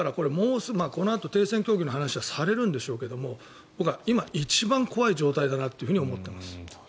このあと停戦協議の話はされるんでしょうけれど僕は今、一番怖い状態だなと思っています。